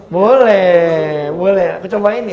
boleh boleh aku cobain ya